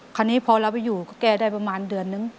คราวนี้พอเราไปอยู่ก็แก้ได้ประมาณเดือนนึง